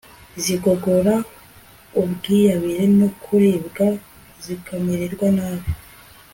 zigogora ubwiyabire no kuribwa zikamererwa nabi